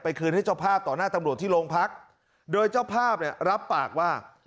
คืนให้เจ้าภาพต่อหน้าตำรวจที่โรงพักโดยเจ้าภาพเนี่ยรับปากว่า